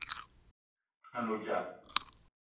A ne odzap